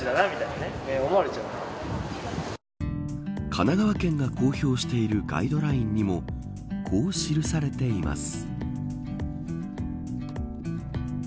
神奈川県が公表しているガイドラインにもこう記されています。